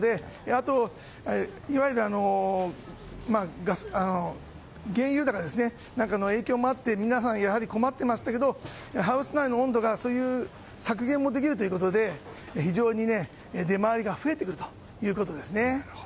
あと原油高の影響もあって皆様、困っていましたけどもハウス内の温度がそういうものの削減もできるということで非常に出回りが増えてくるということですね。